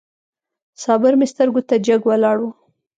صابر مې سترګو ته جګ ولاړ و.